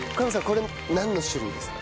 これなんの種類ですか？